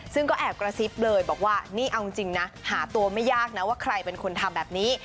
ซึ่งก็แอบกระซิบเลยบอกว่านี่เอาจริงนะหาตัวไม่ยากนะว่าใครเป็นคนทำแบบนี้